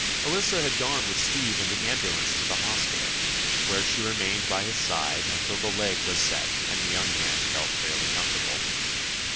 Orissa had gone with Steve in the ambulance to the hospital, where she remained by his side until the leg was set and the young man felt fairly comfortable.